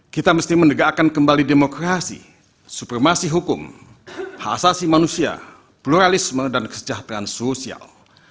kita mesti menegakkan kembali demokrasi supremasi hukum hak asasi manusia pluralisme dan kesejahteraan sosial